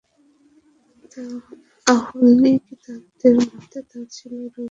আহলি কিতাবদের মতে তা ছিল রৌপ্য ভর্তি থলে।